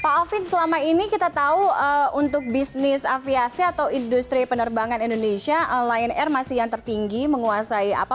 pak alvin selama ini kita tahu untuk bisnis aviasi atau industri penerbangan indonesia lion air masih yang tertinggi menguasai apa